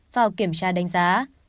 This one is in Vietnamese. vào kiểm tra đánh giá